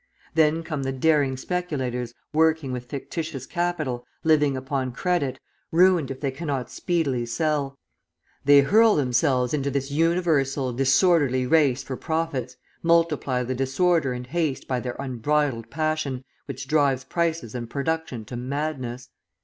Then come the daring speculators working with fictitious capital, living upon credit, ruined if they cannot speedily sell; they hurl themselves into this universal, disorderly race for profits, multiply the disorder and haste by their unbridled passion, which drives prices and production to madness.